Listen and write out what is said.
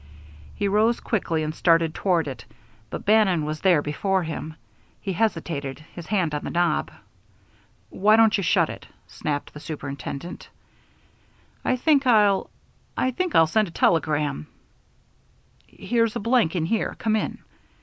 He rose quickly and started toward it, but Bannon was there before him. He hesitated, his hand on the knob. "Why don't you shut it?" snapped the superintendent. "I think I'll I think I'll send a telegram." "Here's a blank, in here. Come in."